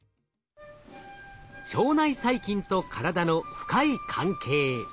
腸内細菌と体の深い関係。